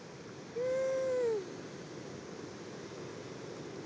うん！